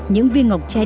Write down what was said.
những viên ngọc chai